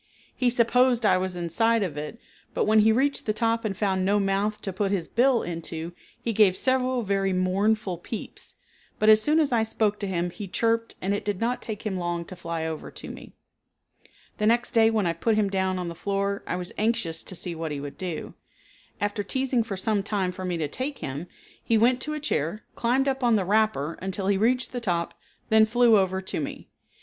He supposed I was inside of it, but when he reached the top and found no mouth to put his bill into, he gave several very mournful peeps, but as soon as I spoke to him he chirped and it did not take him long to fly over to me. The next day when I put him down on the floor I was anxious to see what he would do. After teasing for some time for me to take him, he went to a chair, climbed up on the wrapper until he reached the top, then flew over to me.